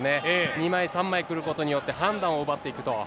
２枚、３枚くることによって、判断を奪っていくと。